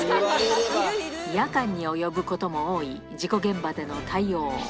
夜間に及ぶことも多い事故現場での対応。